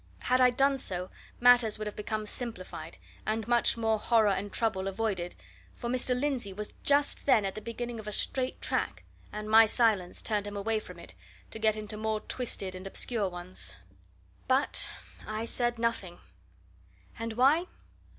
Had I done so, matters would have become simplified, and much more horror and trouble avoided, for Mr. Lindsey was just then at the beginning of a straight track and my silence turned him away from it, to get into more twisted and obscure ones. But I said nothing. And why?